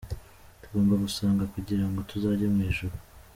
Tugomba gusenga kugirango tuzajye mwijuru.